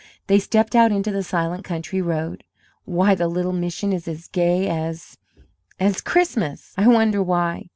They stepped out into the silent country road. "Why, the little mission is as gay as as Christmas! I wonder why?"